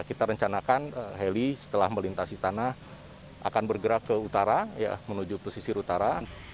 kita rencanakan heli setelah melintasi istana akan bergerak ke utara ya menuju posisi utara